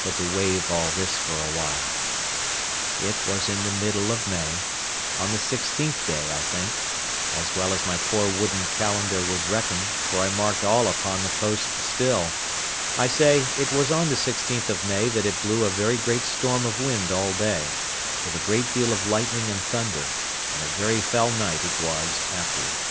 But to waive all this for a while. It was in the middle of May, on the sixteenth day, I think, as well as my poor wooden calendar would reckon, for I marked all upon the post still; I say, it was on the sixteenth of May that it blew a very great storm of wind all day, with a great deal of lightning and thunder, and; a very foul night it was after it.